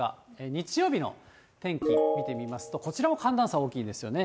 日曜日の天気、見てみますと、こちらも寒暖差大きいですよね。